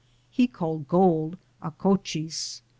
He called gold acochis.